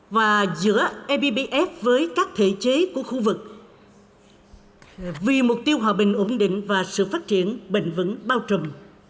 và giữa ebbf với các thể chế của khu vực vì mục tiêu hòa bình ổn định và sự phát triển bền vững bao trùm